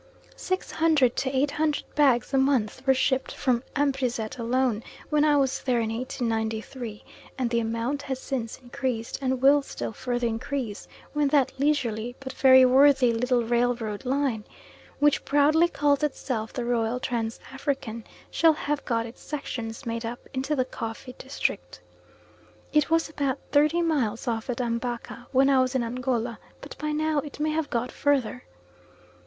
Six hundred to eight hundred bags a month were shipped from Ambrizette alone when I was there in 1893, and the amount has since increased and will still further increase when that leisurely, but very worthy little railroad line, which proudly calls itself the Royal Trans African, shall have got its sections made up into the coffee district. It was about thirty miles off at Ambaca when I was in Angola, but by now it may have got further.